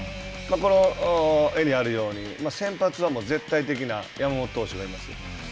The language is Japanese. この絵にあるように先発は絶対的な山本投手がいます。